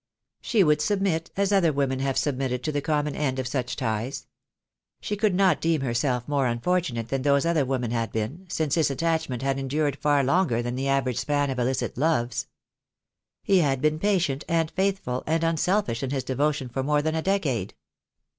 She would submit as other women have submitted to the com mon end of such ties. She could not deem herself more unfortunate than those other women had been, since his attachment had endured far longer than the average span of illicit loves. He had been patient and faithful and unselfish in his devotion for more than a decade.